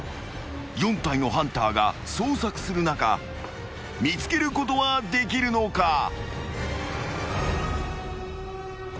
［４体のハンターが捜索する中見つけることはできるのか？］